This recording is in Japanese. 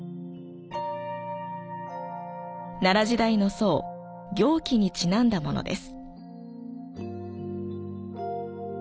奈良時代の僧、行基にちなんだものです。